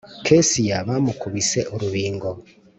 kesiya bamukubise urubingo